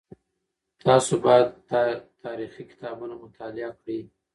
تاسو باید تاریخي کتابونه مطالعه کړئ.